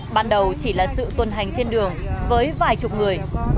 ban đầu chỉ là sự tuần hành trên đường với vài chục người